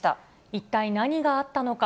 一体何があったのか。